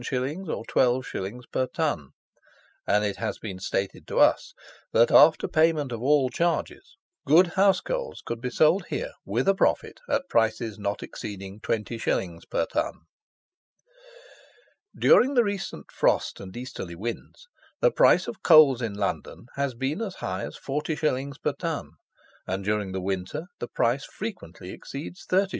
_ or 12_s._ per ton, and it has been stated to us, that, after payment of all charges, good house coals could be sold here, with a profit, at prices not exceeding 20_s._ per ton. During the recent frost and easterly winds the price of coals in London has been as high as 40_s._ per ton; and during the winter the price frequently exceeds 30_s.